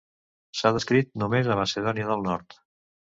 S'ha descrit només a Macedònia del Nord.